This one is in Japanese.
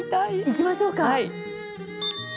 いきましょうか。